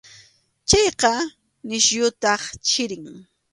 Chayqa nisyutaq chiri.